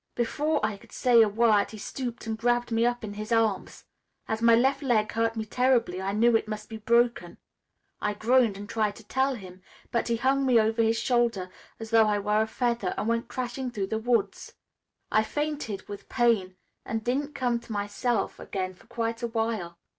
"Before I could say a word he stooped and grabbed me up in his arms. As my left leg hurt me terribly, I knew it must be broken. I groaned and tried to tell him, but he hung me over his shoulder as though I were a feather and went crashing through the woods. I fainted with pain and didn't come to myself again for quite a while.